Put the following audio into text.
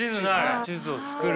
地図を作る。